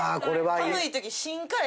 寒い時。